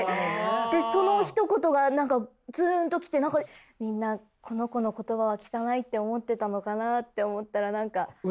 でそのひと言が何かズーンと来てみんなこの子の言葉は汚いって思ってたのかなって思ったら何か。